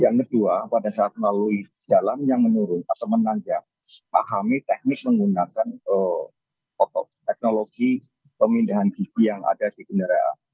yang kedua pada saat melalui jalan yang menurun atau menanjak pahami teknik menggunakan teknologi pemindahan gigi yang ada di kendaraan